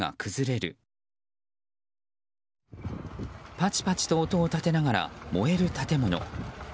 パチパチと音を立てながら燃える建物。